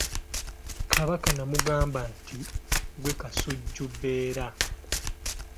Kabaka n’amugamba nti ggwe Kasujjubbeere.